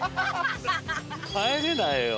帰れないよ。